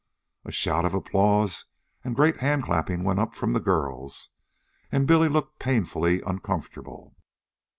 A shout of applause and great hand clapping went up from the girls, and Billy looked painfully uncomfortable.